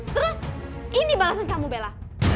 terus ini balasan kamu bella